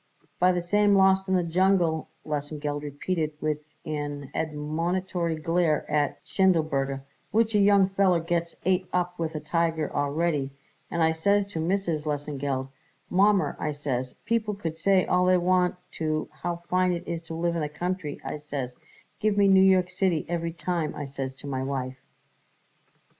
"By the name Lawst in the Jungle," Lesengeld repeated with an admonitory glare at Schindelberger, "which a young feller gets ate up with a tiger already; and I says to Mrs. Lesengeld: 'Mommer,' I says, 'people could say all they want to how fine it is to live in the country,' I says, 'give me New York City every time,' I says to my wife."